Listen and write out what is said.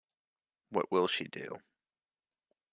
What will she do?